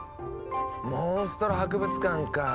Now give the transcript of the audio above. モンストロ博物館かぁ。